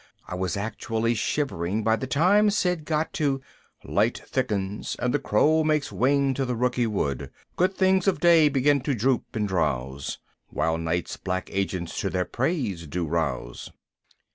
I was actually shivering by the time Sid got to: "Light thickens; and the crow Makes wing to the rooky wood: Good things of day begin to droop and drowse; Whiles night's black agents to their preys do rouse."